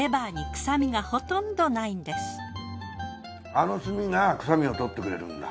あの炭が臭みを取ってくれるんだ。